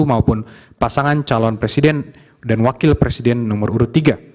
maupun pasangan calon presiden dan wakil presiden nomor urut tiga